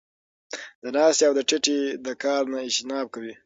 د ناستې او د ټيټې د کار نۀ اجتناب کوي -